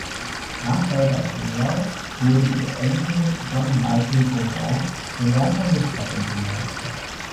Nachfolger als Seigneur wurde ihr Enkel John Michael Beaumont, gelernter Luftfahrtingenieur.